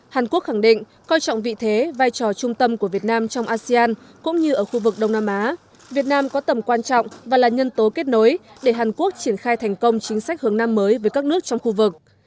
hàn quốc khẳng định coi trọng vị thế vai trò trung tâm của việt nam trong asean cũng như ở khu vực đông nam á việt nam có tầm quan trọng và là nhân tố kết nối để hàn quốc triển khai thành công chính sách hướng nam mới với các nước trong khu vực